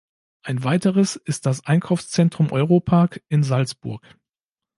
Ein weiteres ist das Einkaufszentrum Europark in Salzburg.